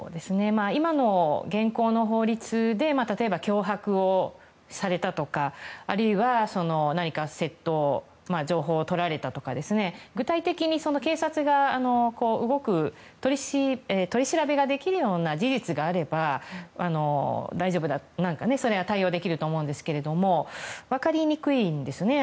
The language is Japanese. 現行の法律で例えば、脅迫をされたとかあるいは何か窃盗情報を取られたとか具体的に警察が動く取り調べができるような事実があれば大丈夫でそれに対応できると思うんですが分かりにくいんですね。